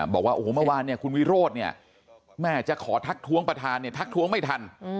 บอกว่าโอ้โหเมื่อวานเนี่ยคุณวิโรธเนี่ยแม่จะขอทักท้วงประธานเนี่ยทักท้วงไม่ทัน